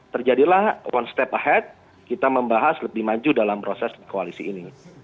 terjadilah one step ahead kita membahas lebih maju dalam proses koalisi ini